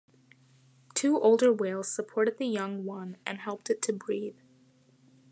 Two older whales supported the young one and helped it to breathe.